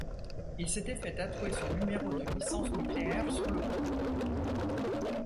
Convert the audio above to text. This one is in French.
Il s'était fait tatouer son numéro de licence nucléaire sur le cou.